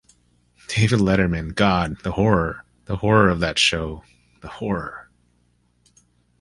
David Letterman, God, the horror ... the horror of that show ... the horror.